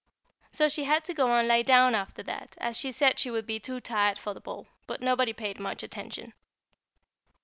She had to go and lie down after that, as she said she would be too tired for the ball; but nobody paid much attention.